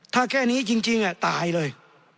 ถ้าแค่นี้จริงตายเลย